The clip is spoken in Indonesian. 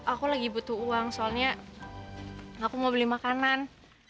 aku lagi butuh uang soalnya aku mau beli makanan